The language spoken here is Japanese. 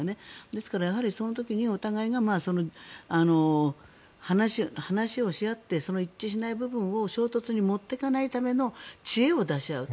ですから、その時にお互いが話をし合って一致しない部分を衝突に持っていかないための知恵を出し合う。